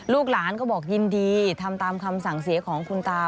ลูกหลานก็บอกยินดีทำตามคำสั่งเสียของคุณตา